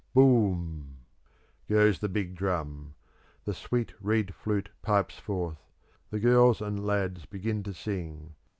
boom! Goes the big drum; the sweet reed flute pipes forth; the girls and lads begin to sing.